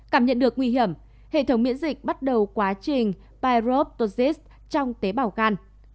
cảm nhận được nguy hiểm hệ thống miễn dịch bắt đầu quá trình piroposis trong tế bào gan